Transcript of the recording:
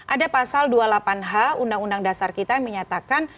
ada pasal dua puluh delapan h undang undang dasar kita yang menyatakan